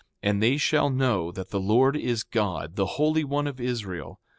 And they shall know that the Lord is God, the Holy One of Israel.